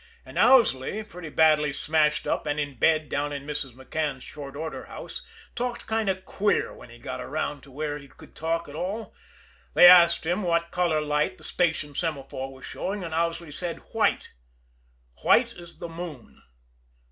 And Owsley, pretty badly smashed up, and in bed down in Mrs. McCann's short order house, talked kind of queer when he got around to where he could talk at all. They asked him what color light the station semaphore was showing, and Owsley said white white as the moon.